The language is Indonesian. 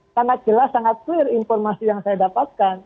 sangat jelas sangat clear informasi yang saya dapatkan